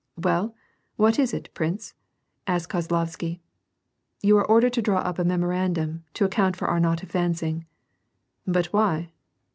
• "Well, what is it, prince ?" asked Kozlovsky. "You are ordered to draw up a memorandum, to account for our not advancing." "But why?"